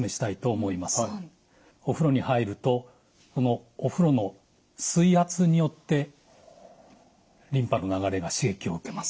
お風呂に入るとこのお風呂の水圧によってリンパの流れが刺激を受けます。